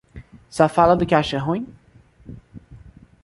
Só fala do que acha ruim?